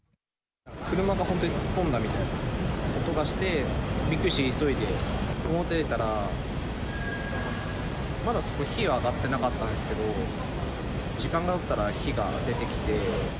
車が本当に突っ込んだみたいな音がして、びっくりして急いで表出たら、まだ火は上がってなかったんですけど、時間がたったら火が出てきて。